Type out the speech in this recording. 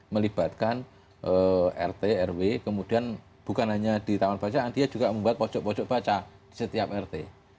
melibatkan rt rw kemudian bukan hanya di taman bacaan dia juga membuat pojok pojok baca di setiap rt